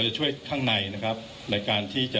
คุณผู้ชมไปฟังผู้ว่ารัฐกาลจังหวัดเชียงรายแถลงตอนนี้ค่ะ